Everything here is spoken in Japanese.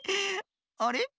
あれ？